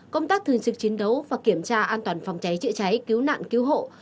công tác thường trực chiến đấu và kiểm tra an toàn phòng cháy chữa cháy cứu nạn cứu hộ